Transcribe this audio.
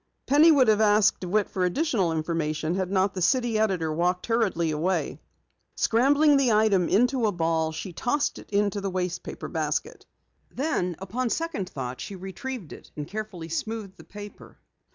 Penny would have asked DeWitt for additional information had not the city editor walked hurriedly away. Scrambling the item into a ball, she tossed it into the waste paper basket. Then upon second thought she retrieved it and carefully smoothed the paper.